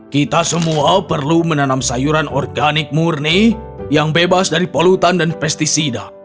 kita semua perlu menanam sayuran organik murni yang bebas dari polutan dan pesticida